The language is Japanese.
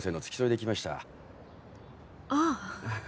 ああ！